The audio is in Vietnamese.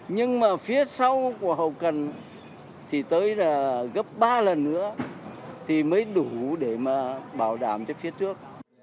nhưng mà phía sau của hậu cần thì tới là gấp ba lần nữa thì mới đủ để mà bảo đảm cho phía trước